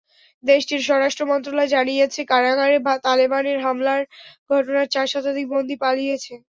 দেশটির স্বরাষ্ট্র মন্ত্রণালয় জানিয়েছে, কারাগারে তালেবানের হামলার ঘটনায় চার শতাধিক বন্দী পালিয়েছে।